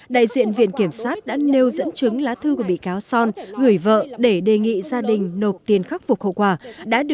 đại diện viện kiểm sát đã nêu dẫn chứng lá thư của bị cáo son gửi vợ để đề nghị gia đình nộp tiền khắc phục hậu quả